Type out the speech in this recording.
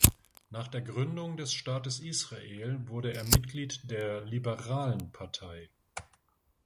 Nach der Gründung des Staates Israel wurde er Mitglied der "Liberalen Partei".